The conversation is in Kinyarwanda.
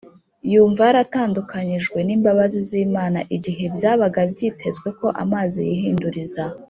, yumva yaratandukanijwe n’imbabazi z’Imana. Igihe byabaga byitezwe ko amazi yihinduriza,